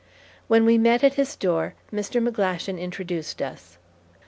When we met at his door, Mr. McGlashan introduced us.